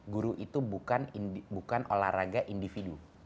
guru itu bukan olahraga individu